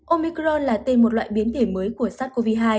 omicron là tên một loại biến thể mới của sars cov hai